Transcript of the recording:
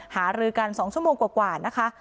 หารือกัน๒ชั่วโมงกว่านะคะ